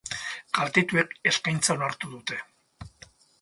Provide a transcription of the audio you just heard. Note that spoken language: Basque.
Kaltetuek eskaintza onartu dute.